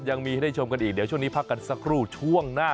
ยังมีให้ได้ชมกันอีกเดี๋ยวช่วงนี้พักกันสักครู่ช่วงหน้า